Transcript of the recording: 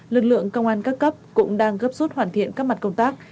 lực lượng công an các cấp cũng đang gấp rút hoàn thiện các mặt công tác